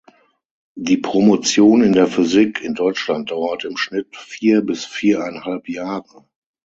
Die Promotion in der Physik in Deutschland dauert im Schnitt vier bis viereinhalb Jahre.